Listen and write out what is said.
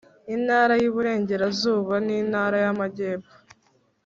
intara y Iburengerazuba n intara y Amajyepfo